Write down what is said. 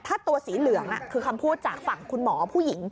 ถ้าตัวสีเหลืองคือคำพูดจากฝั่งคุณหมอผู้หญิง